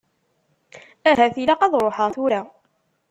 Ahat ilaq ad ṛuḥeɣ tura.